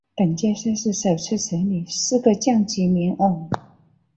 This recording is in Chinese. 本届赛事首次设立四个降级名额。